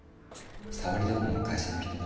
沙織殿の会社の人だ。